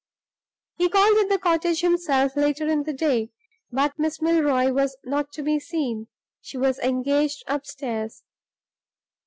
He called at the cottage himself later in the day, but Miss Milroy was not to be seen; she was engaged upstairs.